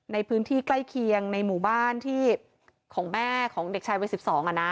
ในพื้นที่ใกล้เคียงในหมู่บ้านที่ของแม่ของเด็กชายวัย๑๒อ่ะนะ